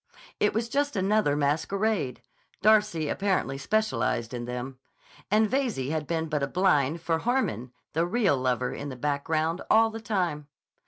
It was just another masquerade—Darcy apparently specialized in them—and Veyze had been but a blind for Harmon, the real lover in the background, all the time.